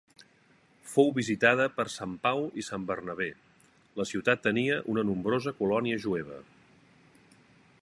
Fou visitada per Sant Pau i Sant Bernabé; la ciutat tenia una nombrosa colònia jueva.